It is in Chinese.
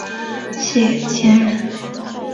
谢迁人。